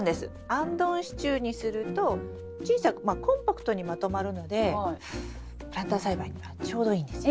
あんどん支柱にすると小さくコンパクトにまとまるのでプランター栽培にはちょうどいいんですよ。